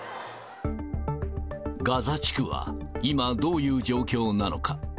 ガザ地区は今、どういう状況なのか。